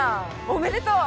おめでとう！